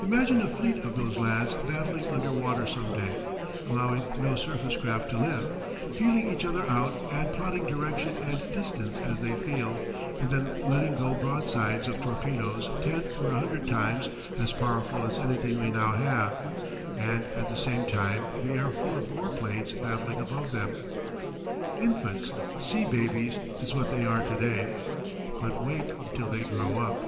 Imagine a fleet of those lads battling under water some day allowing no surface craft to live feeling each other out and plotting direction and distance as they feel, and then letting go broadsides of torpedoes ten or a hundred times as powerful as anything we now have; and at the same time the air full of war planes battling above them. Infants, sea babies, is what they are to day. But wait till they grow up!